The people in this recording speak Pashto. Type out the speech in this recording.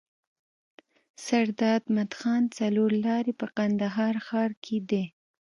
سرداد مدخان څلور لاری په کندهار ښار کي دی.